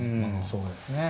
そうですね。